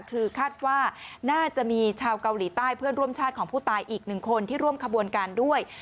คือคาดว่าน่าจะมีชาวเกาหลีใต้เพื่อนร่วมชาติของผู้ตายอีกหนึ่งคนที่ร่วมขบวนการด้วย